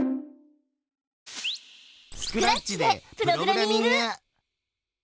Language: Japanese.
スクラッチでプログラミング！